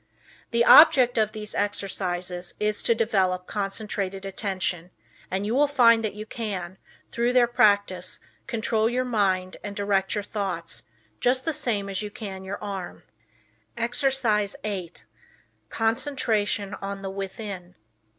The object of these exercises is to develop concentrated attention, and you will find that you can, through their practice, control your mind and direct your thoughts just the same as you can your arm. Exercise 8 Concentration on the Within.